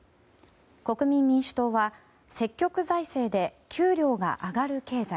国民民主党は積極財政で、給料が上がる経済。